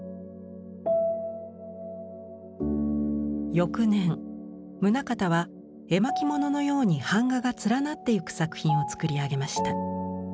翌年棟方は絵巻物のように板画が連なっていく作品をつくり上げました。